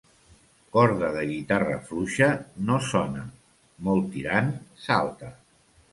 Corda de guitarra fluixa, no sona; molt tirant, salta.